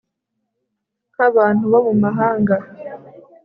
nk abantu bo mu mahanga